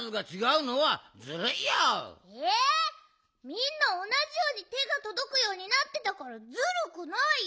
みんなおなじようにてがとどくようになってたからずるくないよ！